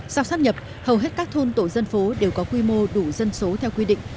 sau sắp nhập hầu hết các thôn tổ dân phố đều có quy mô đủ dân số theo quy định